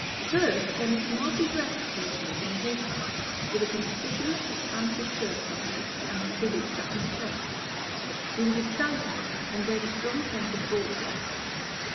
First came a smartly dressed personage on horseback, with a conspicuous expansive shirt front and figured satin stock. He was a stout man, and gave a strong sense of broadcloth.